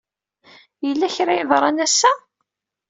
Yella kra ay yeḍran ass-a?